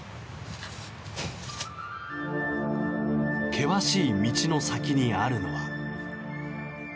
険しい道の先にあるのは。